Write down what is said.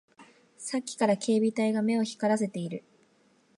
さっきから警備隊が目を光らせている